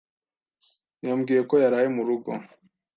Yambwiye ko yaraye murugo.